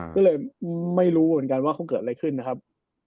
ก็เลยไม่รู้เหมือนกันว่าเขาเกิดอะไรขึ้นนะครับ